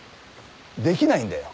できないんだよ